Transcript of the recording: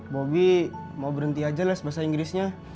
bobby mau berhenti aja les bahasa inggrisnya